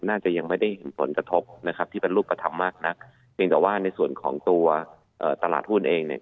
น่าจะยังไม่ได้เห็นผลกระทบนะครับที่เป็นรูปธรรมมากนักเพียงแต่ว่าในส่วนของตัวตลาดหุ้นเองเนี่ย